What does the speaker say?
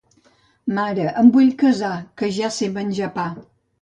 Mare, em vull casar, que ja sé menjar pa.